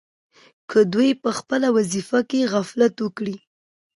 که دوی په خپله وظیفه کې غفلت وکړي.